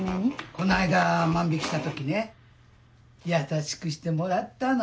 この間万引した時ね優しくしてもらったの。